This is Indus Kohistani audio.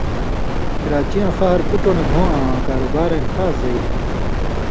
کراچی یاں خہر بُٹؤں نہ گھوں آں کاروبارَیں خاص زئ تھی،